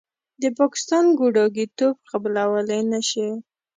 د پاکستان ګوډاګیتوب قبلولې نشي.